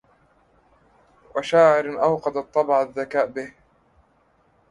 وشاعر أوقد الطبع الذكاء به